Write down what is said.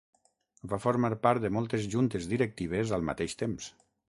Va formar part de moltes juntes directives al mateix temps.